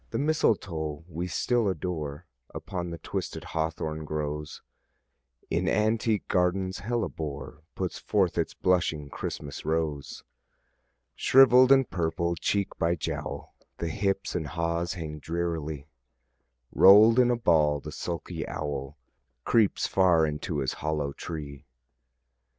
The mistletoe we still adore Upon the twisted hawthorn grows: In antique gardens hellebore Puts forth its blushing Christmas rose. Shrivell'd and purple, cheek by jowl, The hips and haws hang drearily; Roll'd in a ball the sulky owl Creeps far into his hollow tree.